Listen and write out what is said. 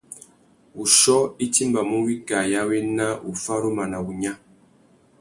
Wuchiô i timbamú wikā ya wena, wuffaruma na wunya.